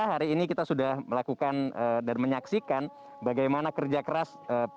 hari ini kita sudah melakukan dan menyaksikan bagaimana kerja keras